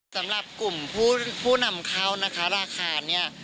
สำหรับกลุ่มผู้นำเข้าราคานี้